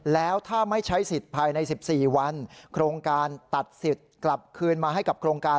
แล้วถ้าไม่ใช้สิทธิ์ภายใน๑๔วันโครงการตัดสิทธิ์กลับคืนมาให้กับโครงการ